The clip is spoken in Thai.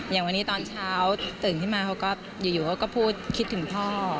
อย่างวันนี้ตอนเช้าตื่นขึ้นมาเขาก็อยู่เขาก็พูดคิดถึงพ่อ